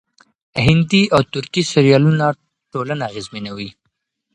هندي او ترکي سريالونه ټولنه اغېزمنوي.